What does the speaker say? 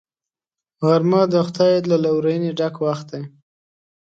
غرمه د خدای له لورینې ډک وخت دی